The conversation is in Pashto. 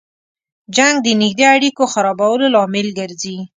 جنګ د نږدې اړیکو خرابولو لامل ګرځي.